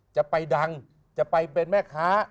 จะไปดังจะไปเป็นแม่ค้า